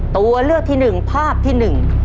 ตัวเลือกที่หนึ่งภาพที่หนึ่ง